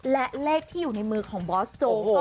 และเลขที่อยู่ในมือของบอสโจว์ก็คือ